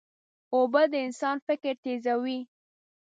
اوبه د انسان فکر تیزوي.